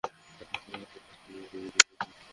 আমাকে গোরুর জন্য লোন দিবে?